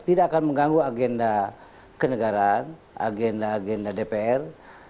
tidak akan mengganggu agenda kenegaraan agenda agenda dpr